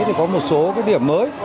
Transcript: thì có một số cái điểm mới